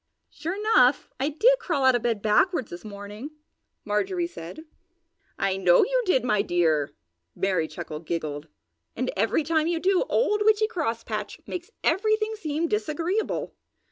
"Sure enough, I did crawl out of bed backwards this morning!" Marjorie said. "I know you did, my dear!" Merry Chuckle giggled. "And every time you do old Witchy Crosspatch makes everything seem disagreeable!"